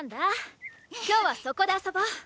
今日はそこで遊ぼう。